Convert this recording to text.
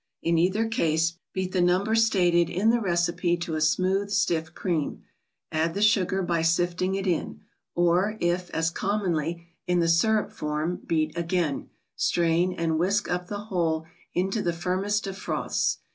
In either case, beat the number stated in the recipe to a smooth, stiff cream. Add the sugar by sifting it in; or if, as commonly, in the ICE CREAMS. 21 syrup form, beat again; strain, and whisk up the whole into the firmest of froths.